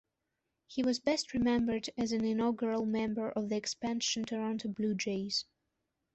He was best remembered as an inaugural member of the expansion Toronto Blue Jays.